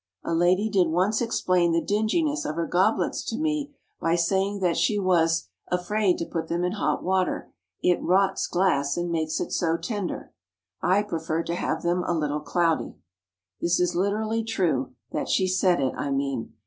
A lady did once explain the dinginess of her goblets to me by saying that she was "afraid to put them in hot water. It rots glass and makes it so tender! I prefer to have them a little cloudy." This is literally true—that she said it, I mean.